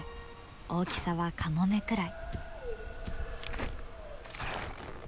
大きさはカモメくらい。